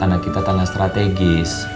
tanah kita tangga strategis